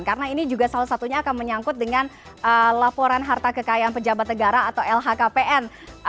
karena ini juga salah satunya akan menyangkut dengan laporan harta kekayaan pejabat negara atau lhkpn